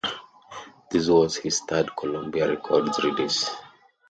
This was his third Columbia Records release.